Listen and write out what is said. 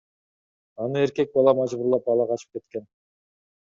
Аны эркек бала мажбурлап ала качып кеткен.